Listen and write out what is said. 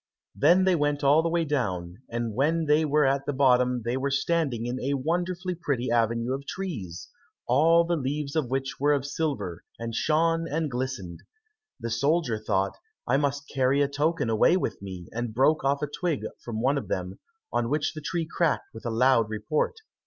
Then they went all the way down, and when they were at the bottom, they were standing in a wonderfully pretty avenue of trees, all the leaves of which were of silver, and shone and glistened. The soldier thought, "I must carry a token away with me," and broke off a twig from one of them, on which the tree cracked with a loud report.